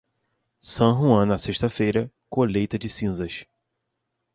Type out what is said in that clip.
San Juan na sexta-feira, colheita de cinzas.